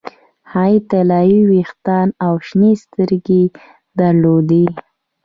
هغې طلايي ویښتان او شنې سترګې درلودې